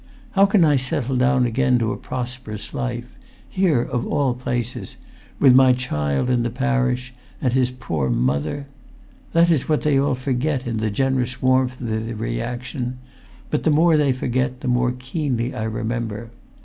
How can I settle down again to a prosperous life—here of all places—with my child in the parish, and his poor mother ... That is what they all forget in the generous warmth of their reaction; but the more they forget, the more keenly I remember.